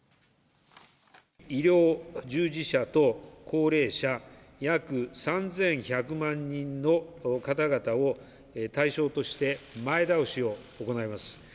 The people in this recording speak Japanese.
医療従事者と高齢者約３１００万人の方々を対象として、前倒しを行います。